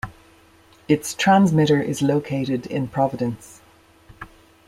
Its transmitter is located in Providence.